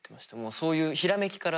そういうひらめきから。